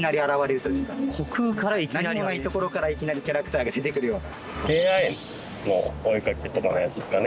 何もないところからいきなりキャラクターが出てくるような。